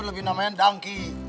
lebih namanya dangki